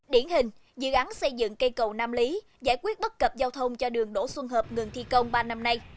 điển hình dự án xây dựng cây cầu nam lý giải quyết bất cập giao thông cho đường đỗ xuân hợp ngừng thi công ba năm nay